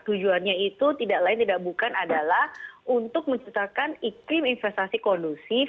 tujuannya itu tidak lain tidak bukan adalah untuk menciptakan iklim investasi kondusif